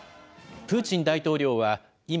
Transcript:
プーチン大統領は、今、